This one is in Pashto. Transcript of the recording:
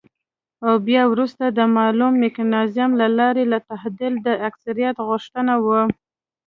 او بيا وروسته د مالوم ميکانيزم له لارې که تعديل د اکثريت غوښتنه وه،